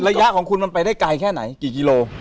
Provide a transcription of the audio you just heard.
ระยะของคุณมันไปได้ไกลแค่ไหนกี่กิโล